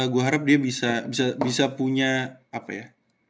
gue harap dia bisa punya apa ya